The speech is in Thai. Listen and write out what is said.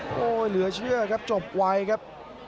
โอ้โหเหลือเชื่อครับจบไวครับ